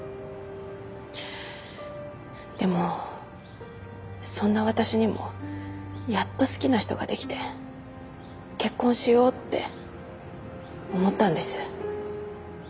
でもそんな私にもやっと好きな人ができて結婚しようって思ったんです。